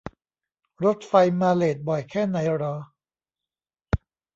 รถไฟมาเลทบ่อยแค่ไหนหรอ